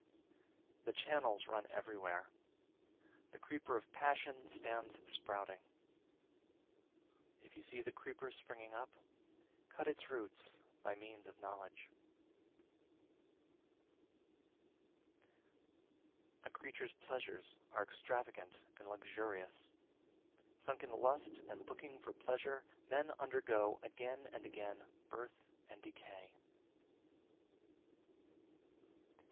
340. The channels run everywhere, the creeper (of passion) stands sprouting; if you see the creeper springing up, cut its root by means of knowledge. 341. A creature's pleasures are extravagant and luxurious; sunk in lust and looking for pleasure, men undergo (again and again) birth and decay. 342.